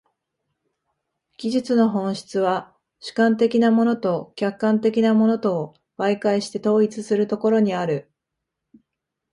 技術の本質は主観的なものと客観的なものとを媒介して統一するところにある。